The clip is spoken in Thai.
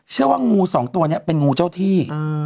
เชื่อว่างูสองตัวนี้เป็นงูเจ้าที่